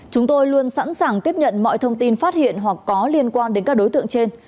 chúng tôi luôn sẵn sàng tiếp nhận mọi thông tin phát hiện hoặc có liên quan đến các đối tượng trên